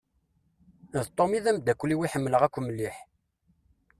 D Tom i d amdakel-iw i ḥemmleɣ akk mliḥ.